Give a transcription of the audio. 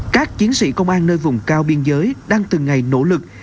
các chiến sĩ công an nơi vùng cao biên giới đang từng ngày nỗ lực